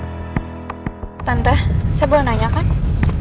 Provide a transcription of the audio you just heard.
kami akan menemukan sesosok yang mencurigakan yang ada di depur kami